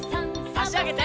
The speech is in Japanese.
あしあげて。